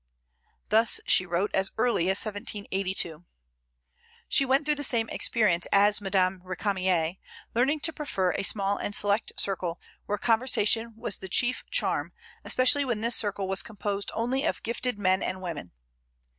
Thus she wrote as early as 1782. She went through the same experience as did Madame Récamier, learning to prefer a small and select circle, where conversation was the chief charm, especially when this circle was composed only of gifted men and women.